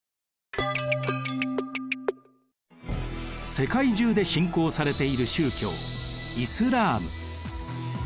世界中で信仰されている宗教イスラーム。